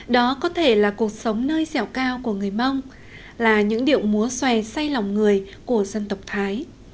đó có thể là cuộc sống nơi dẻo cao của người mông là những điệu múa xòe say lòng người của dân tộc thái